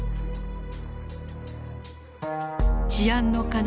治安の要